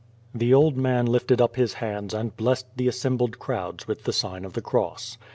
The old man lifted up his hands and blessed the assembled crowds with the sign of the cross.